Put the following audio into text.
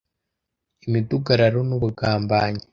imidugararo n'ubugambanyi